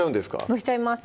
載せちゃいます